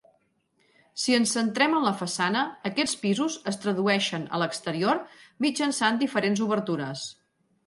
Si ens centrem en la façana, aquests pisos es tradueixen a l'exterior mitjançant diferents obertures.